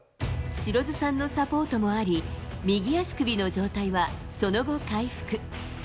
白水さんのサポートもあり、右足首の状態はその後、回復。